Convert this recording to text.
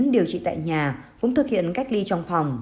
điều trị tại nhà cũng thực hiện cách ly trong phòng